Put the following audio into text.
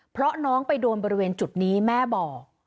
เพราะน้องไปโดนบริเวณจุดนี้แม่บอก